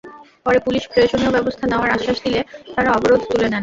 পরে পুলিশ প্রয়োজনীয় ব্যবস্থা নেওয়ার আশ্বাস দিলে তাঁরা অবরোধ তুলে নেন।